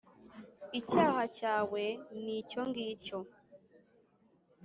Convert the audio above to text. icyaha cyawe ni icyo ngicyo